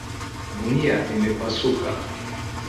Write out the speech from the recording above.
Gunia limepasuka.